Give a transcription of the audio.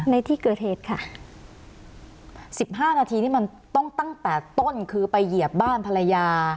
ในที่เกิดเหตุค่ะสิบห้านาทีนี่มันต้องตั้งแต่ต้นคือไปเหยียบบ้านภรรยา